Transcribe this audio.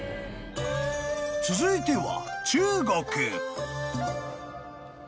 ［続いては］